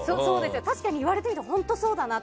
確かに、言われてみたら本当にそうだなって。